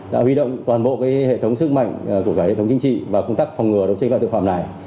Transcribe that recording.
đã huy động toàn bộ hệ thống sức mạnh của hệ thống chính trị và công tác phòng ngừa đấu tranh với thực phạm này